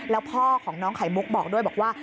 แล้วพ่อของน้องไขมุกบอกด้วยบอกว่า